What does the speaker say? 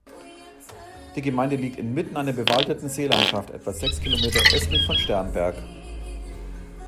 Die Gemeinde liegt inmitten einer bewaldeten Seenlandschaft etwa sechs Kilometer östlich von Sternberg.